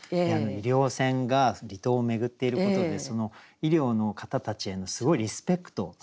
医療船が離島を巡っていることで医療の方たちへのすごいリスペクト彼らのハードワーク。